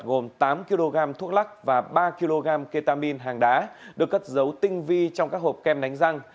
gồm tám kg thuốc lắc và ba kg ketamin hàng đá được cất dấu tinh vi trong các hộp kem đánh răng